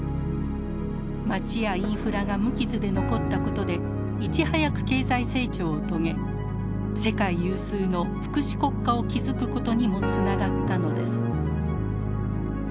街やインフラが無傷で残ったことでいち早く経済成長を遂げ世界有数の福祉国家を築くことにもつながったのです。